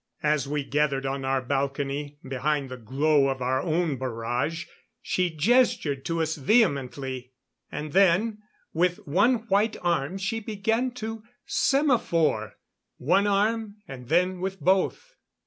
As we gathered on our balcony, behind the glow of our own barrage, she gestured to us vehemently. And then, with one white arm, she began to semaphore. One arm, and then with both.